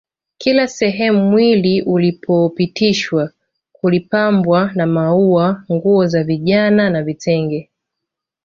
Kila sehemu mwili ulipopitishwa kulipambwa na maua nguo za vijana na vitenge